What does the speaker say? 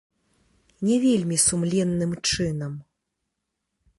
Не вельмі сумленным чынам.